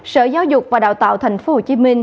sở giáo dục và đào tạo tp hcm